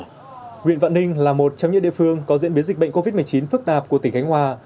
nguyện vạn ninh là một trong những địa phương có diễn biến dịch bệnh covid một mươi chín phức tạp của tỉnh khánh hòa